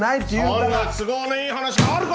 そんな都合のいい話があるか！